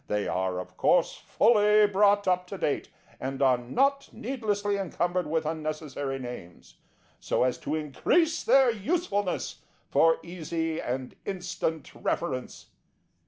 They are of course fully brought up to date, and are not needlessly encumbered with unnecessary names, so as to increase their usefulness for easy and instant reference.